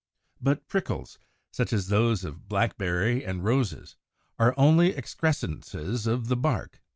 But prickles, such as those of Blackberry and Roses, are only excrescences of the bark, and not branches.